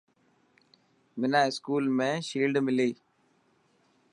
منا اسڪول ۾ شيلڊ ملي.